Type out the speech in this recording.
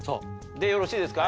でよろしいですか？